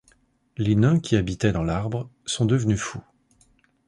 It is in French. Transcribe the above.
Les Nains qui habitaient dans l'Arbre sont devenus fous.